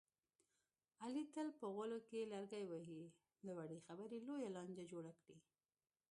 علي تل په غولو کې لرګي وهي، له وړې خبرې لویه لانجه جوړه کړي.